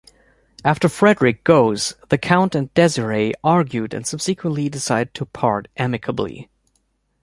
After Fredrik goes, the Count and Desiree argue and subsequently decide to part amicably.